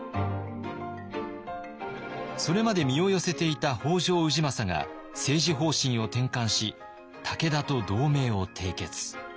それまで身を寄せていた北条氏政が政治方針を転換し武田と同盟を締結。